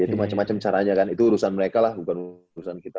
itu macam macam caranya kan itu urusan mereka lah bukan urusan kita